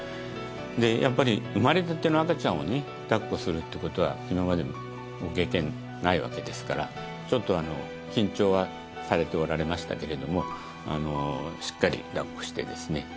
やっぱり生まれたての赤ちゃんをね抱っこするってことは今までご経験ないわけですからちょっと緊張はされておられましたけれどもしっかり抱っこしてですね